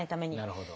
なるほど。